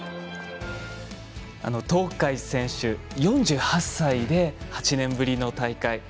東海選手、４８歳で８年ぶりの大会。